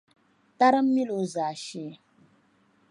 Tarim’ mila o zaashee.